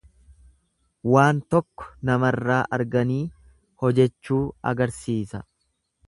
Waan tokko namarraa arganii hojechuu agarsiisa.